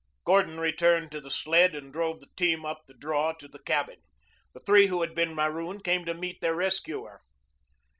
Gordon returned to the sled and drove the team up the draw to the cabin. The three who had been marooned came to meet their rescuer.